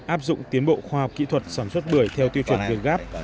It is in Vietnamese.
áp dụng tiến bộ khoa học kỹ thuật sản xuất bưởi theo tiêu chuẩn việt gáp